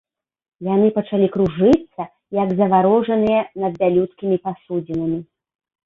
Яны пачалі кружыцца, як заварожаныя, над бялюткімі пасудзінамі.